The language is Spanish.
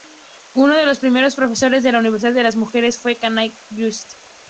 Uno de los primeros profesores de la universidad de las Mujeres fue Kanai Yoshiko.